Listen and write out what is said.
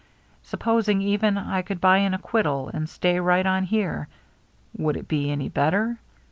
Supposing, even, I could buy an acquittal and stay right on here, would it be any better?